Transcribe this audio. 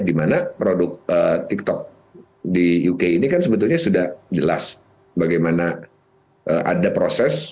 dimana produk tiktok di uk ini kan sebetulnya sudah jelas bagaimana ada proses